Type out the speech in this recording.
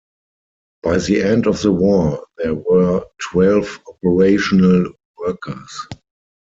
By the end of the war there were twelve operational workers.